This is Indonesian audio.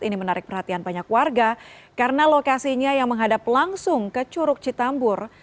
ini menarik perhatian banyak warga karena lokasinya yang menghadap langsung ke curug citambur